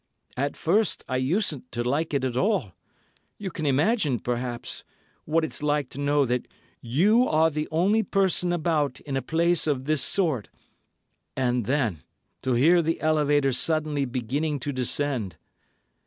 At first I usedn't to like it at all. You can imagine, perhaps, what it's like to know that you are the only person about in a place of this sort—and then to hear the elevator suddenly beginning to descend.